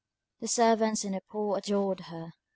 The servants and the poor adored her.